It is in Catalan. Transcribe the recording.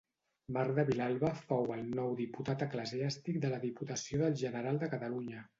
Marc de Vilalba fou el nou diputat eclesiàstic de la Diputació del General de Catalunya.